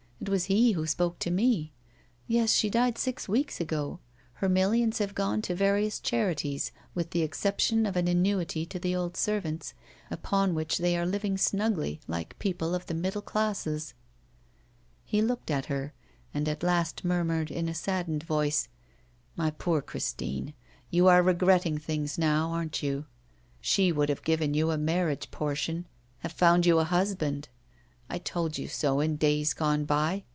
It was he who spoke to me. Yes, she died six weeks ago. Her millions have gone to various charities, with the exception of an annuity to the old servants, upon which they are living snugly like people of the middle classes.' He looked at her, and at last murmured, in a saddened voice: 'My poor Christine, you are regretting things now, aren't you? She would have given you a marriage portion, have found you a husband! I told you so in days gone by.